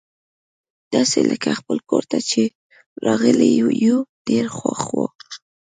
داسي لکه خپل کور ته چي راغلي یو، ډېر خوښ وو.